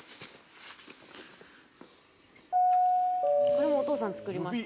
これもお父さん作りました。